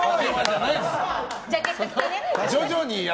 ジャケット着てね。